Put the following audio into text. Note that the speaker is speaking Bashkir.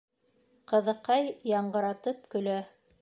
Ҡыҙыҡай яңғыратып көлә.